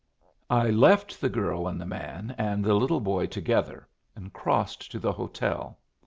I left the girl and the man and the little boy together, and crossed to the hotel.